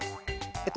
えっと